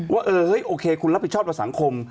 ว่าโอเคคุณรับผิดชอบกับสังคม